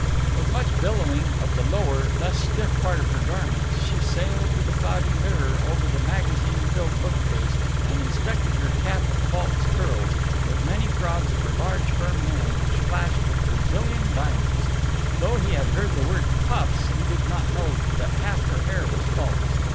With much billowing of the lower, less stiff part of her garments, she sailed to the cloudy mirror over the magazine filled bookcase and inspected her cap of false curls, with many prods of her large firm hands which flashed with Brazilian diamonds. Though he had heard the word "puffs," he did not know that half her hair was false.